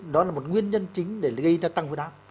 đó là một nguyên nhân chính để gây ra tăng quy đáp